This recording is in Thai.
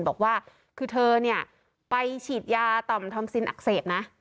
บอกว่าคือเธอเนี่ยไปฉีดยาต่อมทอมซินอักเสบนะ